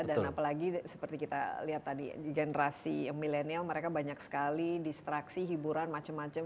dan apalagi seperti kita lihat tadi generasi milenial mereka banyak sekali distraksi hiburan macem macem